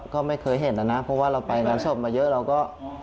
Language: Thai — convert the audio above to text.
ก็ไม่เคยเห็นนะนะเพราะว่าเราไปงานศพมาเยอะเราก็